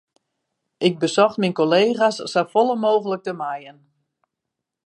Ik besocht myn kollega's safolle mooglik te mijen.